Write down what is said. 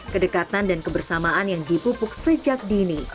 kedekatan dan kebersamaan yang dipupuk sejak dini